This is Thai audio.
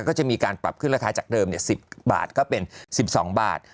ก็จะมีการปรับขึ้นราคาจากเดิม๑๐บาทก็เป็น๑๒บาท